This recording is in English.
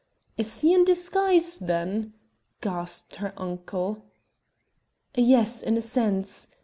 "Is he in disguise, then?" gasped her uncle. "Yes, in a sense.